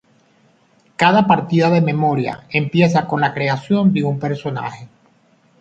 Cada partida de "Moria" empieza con la creación de un personaje.